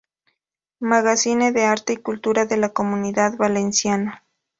Magazine de arte y cultura de la Comunidad Valenciana.